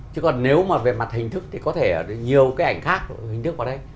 chứ còn nếu mà về mặt hình thức thì có thể nhiều cái ảnh khác hình thức vào đấy